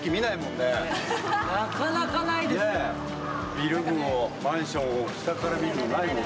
ビル群、マンションを下から見るってないよね。